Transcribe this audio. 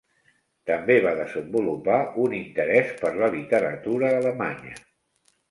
També va desenvolupar un interès per la literatura alemanya.